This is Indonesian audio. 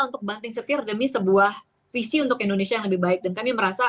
untuk banting setir demi sebuah visi untuk indonesia yang lebih baik dan kami merasa